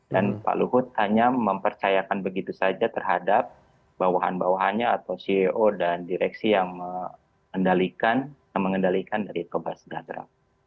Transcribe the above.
dan pak luhut hanya mempercayakan begitu saja terhadap bawahan bawahannya atau ceo dan direksi yang mengendalikan dari toba sejahtera